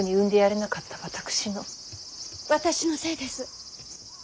私のせいです。